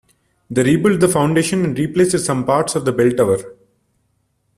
They rebuilt the foundation and replaced some parts of the bell tower.